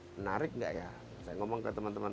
menarik nggak ya saya ngomong ke teman teman